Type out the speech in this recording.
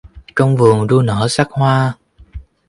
Trong vườn đua nở sắc hoa